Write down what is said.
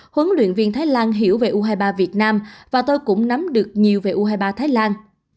huấn luyện viên thái lan hiểu về u hai mươi ba việt nam và tôi cũng nắm được nhiều về u hai mươi ba thái lan